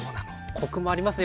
コクもありますね